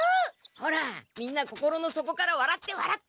ほらみんな心の底から笑って笑って。